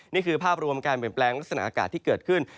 นี่คือภาพรวมการเปลี่ยนแปลงลักษณะอากาศที่เกิดขึ้น